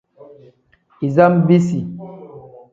Iza bisi.